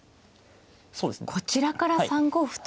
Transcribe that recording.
こちらから３五歩と。